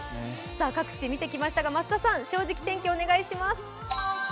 各地見てきましたが、増田さん「正直天気」お願いします。